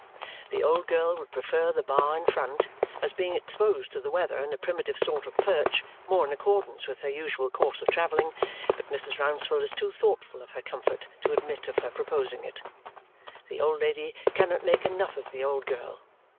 The old girl would prefer the bar in front, as being exposed to the weather and a primitive sort of perch more in accordance with her usual course of travelling, but Mrs. Rouncewell is too thoughtful of her comfort to admit of her proposing it. The old lady cannot make enough of the old girl.